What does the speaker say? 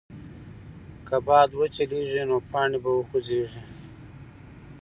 که باد وچلېږي، نو پاڼې به وخوځېږي.